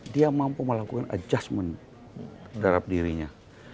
dia mampu melakukan adjustment terhadap dirinya